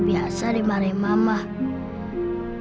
aku tidak mau diberi kesalahan kepada mama